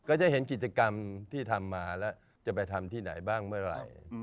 ก็จะเห็นกิจกรรมที่ทำมาแล้วจะไปทำที่ไหนบ้างเมื่อไหร่